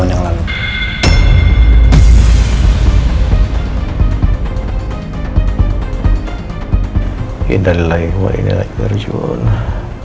tapi adik saya sudah meninggal beberapa tahun yang lalu